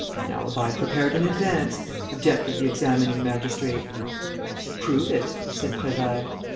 "An alibi prepared in advance," objected the examining magistrate. "Prove it," said Prévailles.